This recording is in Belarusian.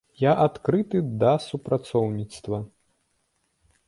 Я адкрыты да супрацоўніцтва.